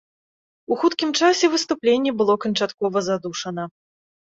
У хуткім часе выступленне было канчаткова задушана.